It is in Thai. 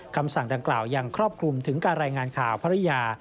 คำสั่งดังกล่าวยังครอบคลุมถึงการรายงานข่าวภรรยา